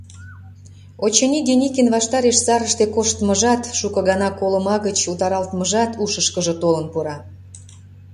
Очыни, Деникин ваштареш сарыште коштмыжат, шуко гана Колыма гыч утаралтмыжат ушышкыжо толын пура...